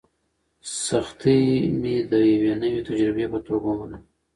سختۍ مې د یوې نوې تجربې په توګه ومنلې.